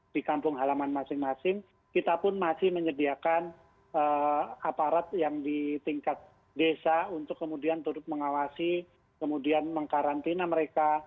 di kampung halaman masing masing kita pun masih menyediakan aparat yang di tingkat desa untuk kemudian turut mengawasi kemudian mengkarantina mereka